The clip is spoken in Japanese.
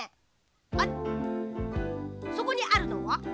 あっそこにあるのは？